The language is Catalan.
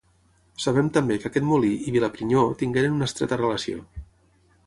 Sabem també que aquest molí i Vilaprinyó tingueren una estreta relació.